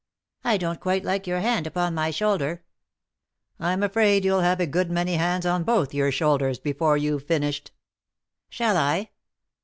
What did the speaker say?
" I don't quite like your hand upon my shoulder." "I'm afraid you'll have a good many hands on both your shoulders before you've finished." " Shall I